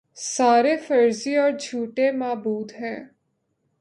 سارے فرضی اور جھوٹے معبود ہیں